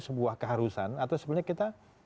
sebuah keharusan atau sebenarnya kita